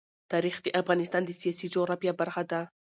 تاریخ د افغانستان د سیاسي جغرافیه برخه ده.